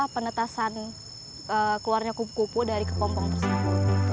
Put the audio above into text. penetasan keluarnya kupu kupu dari kepompong tersebut